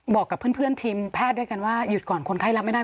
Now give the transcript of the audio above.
บอกกับเพื่อนทีมแพทย์ด้วยกันว่าหยุดก่อนคนไข้รับไม่ได้